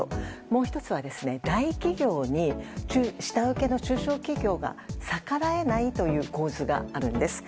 もう１つは、大企業に下請けの中小企業が逆らえないという構図があるんです。